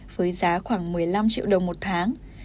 với giá khoảng một mươi năm triệu đồng một tháng